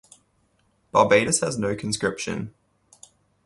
Barbados has no conscription.